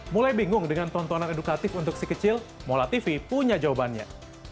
mulai bingung dengan tontonan edukatif untuk si kecil mola tv punya jawabannya